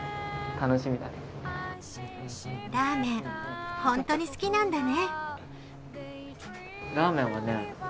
ラーメン、本当に好きなんだね。